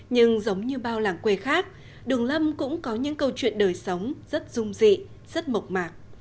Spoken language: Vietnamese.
nhưng giống như bao làng quê khác đường lâm cũng có những câu chuyện đời sống rất rung dị rất mộc mạc